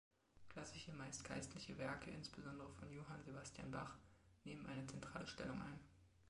Klassische, meist geistliche Werke insbesondere von Johann Sebastian Bach nehmen eine zentrale Stellung ein.